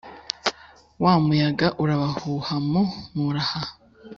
Wa muyaga urabahuha mu muraha*.